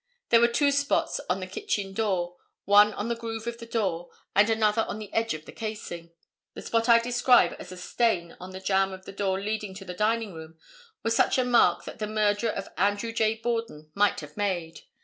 There were two spots on the kitchen door, one in the groove of the door and another on the edge of the casing. The spot I describe as a stain on the jamb of the door leading to the dining room, was such a mark that the murderer of Andrew J. Borden might have made.